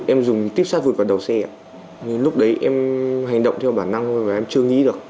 em dùng tiếp sát vượt vào đầu xe lúc đấy em hành động theo bản năng thôi và em chưa nghĩ được